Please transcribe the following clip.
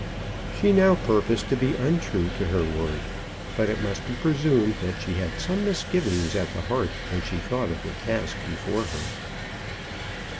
She now purposed to be untrue to her word; but it must be presumed that she had some misgivings at the heart when she thought of the task before her.